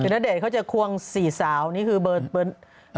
นาเดชน์เขาจะควงสี่สาวนี่คือเบิร์นหนึ่ง